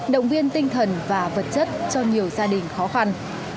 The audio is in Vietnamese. động viên tinh thần và vật chất cho nhiều gia đình khó khăn